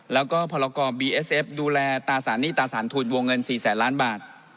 แล้วก็พรกรบีเอสเอฟดูแลตราสารหนี้ตราสารทุนวงเงิน๔แสนล้านบาท